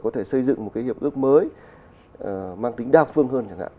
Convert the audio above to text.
có thể xây dựng một cái hiệp ước mới mang tính đa phương hơn chẳng hạn